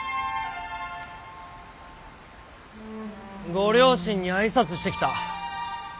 ご両親に挨拶してきた。